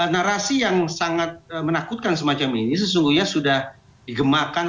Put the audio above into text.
narasi yang sangat menakutkan semacam ini sesungguhnya sudah digemakan